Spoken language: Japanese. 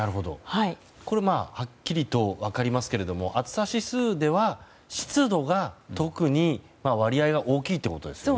これ、はっきりと分かりますけども暑さ指数では湿度が特に割合が大きいということですね。